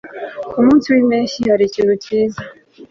ku munsi wimpeshyi, harikintu cyiza